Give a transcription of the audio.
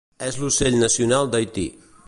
És l'ocell nacional d'Haití.